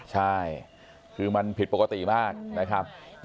ใช่คือมันผิดปกติมากนะครับ